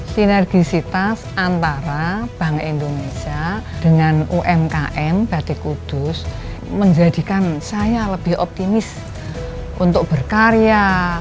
sinergisitas antara bank indonesia dengan umkm batik kudus menjadikan saya lebih optimis untuk berkarya